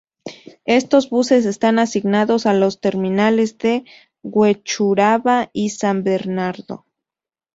Estos buses están asignados a los terminales de Huechuraba y San Bernardo.